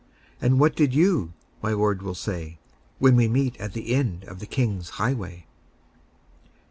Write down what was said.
And what did you?' my Lord will say, When we meet at the end of the King's highway."